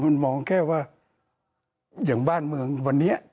มันมองแค่ว่าอย่างบ้านเมืองวันนี้